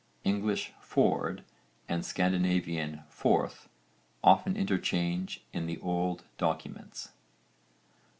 English ford and Scandinavian forth often interchange in the old documents.